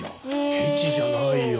ケチじゃないよ。